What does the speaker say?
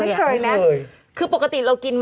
โอเคโอเคโอเค